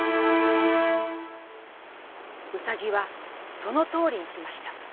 「うさぎはそのとおりにしました。